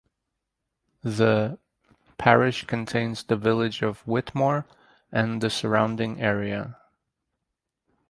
The parish contains the village of Whitmore and the surrounding area.